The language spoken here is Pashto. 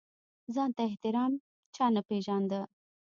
ځان ته احترام چا نه پېژانده.